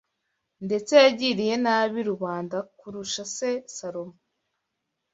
Ndetse yagiriye nabi rubanda kurusha se Salomo